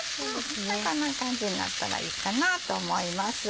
こんな感じになったらいいかなと思います。